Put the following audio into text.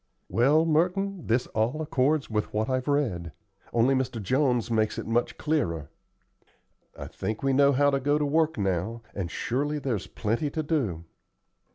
"Well, Merton, this all accords with what I've read, only Mr. Jones makes it much clearer. I think we know how to go to work now, and surely there's plenty to do."